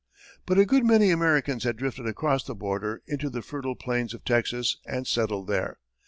But a good many Americans had drifted across the border into the fertile plains of Texas, and settled there.